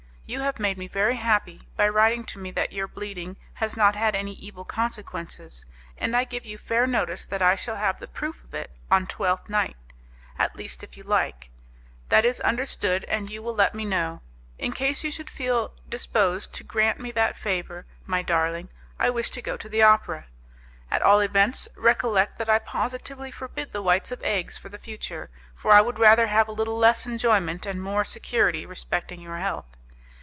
You have made me very happy by writing to me that your bleeding has not had any evil consequences, and I give you fair notice that I shall have the proof of it on Twelfth Night, at least if you like; that is understood, and you will let me know. In case you should feel disposed to grant me that favour, my darling, I wish to go to the opera. At all events, recollect that I positively forbid the whites of eggs for the future, for I would rather have a little less enjoyment and more security respecting your health.